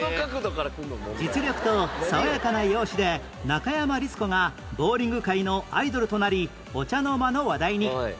実力と爽やかな容姿で中山律子がボウリング界のアイドルとなりお茶の間の話題に